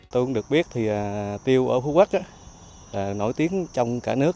tôi cũng được biết thì tiêu ở phú quốc nổi tiếng trong cả nước